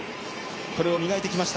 これを磨いてきました。